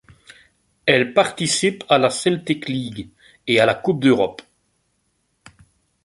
Elles participent à la Celtic League et à la Coupe d'Europe.